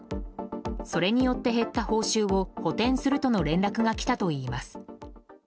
それによって減った報酬を補填するとの連絡がきたといいます。